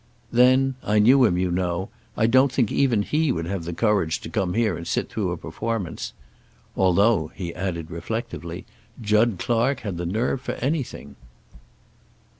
Then I knew him, you know I don't think even he would have the courage to come here and sit through a performance. Although," he added reflectively, "Jud Clark had the nerve for anything."